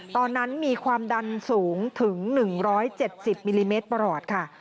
ตอนนั้นมีความดันสูงถึง๑๗๐มิลลิเมตรประหลอดค่ะ